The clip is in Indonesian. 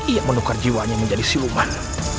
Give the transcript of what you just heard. ia menukar jiwanya menjadi siluman